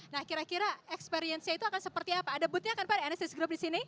nah kira kira experience nya itu akan seperti apa ada booth nya kan pak di anesthesia group disini